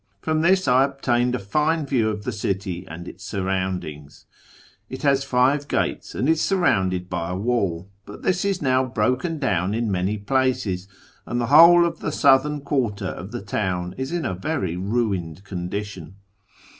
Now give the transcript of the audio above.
From this I obtained a fine view of the city and its surroundings. It has five gates, and is surroimded by a wall, but this is now broken down in many places, and the whole of the southern quarter of the town is in a very ruined condition.